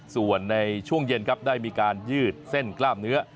ส่วนในช่วงเย็นครับได้มีการยืดเส้นกล้ามเนื้อ